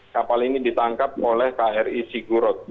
kapal ini ditangkap oleh kri sigurot